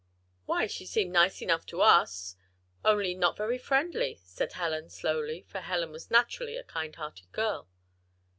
"Why, she seemed nice enough to us only not very friendly," said Helen, slowly, for Helen was naturally a kind hearted girl.